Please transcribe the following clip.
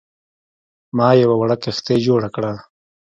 ما یوه وړه کښتۍ جوړه کړه.